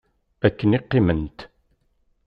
Akken i qiment.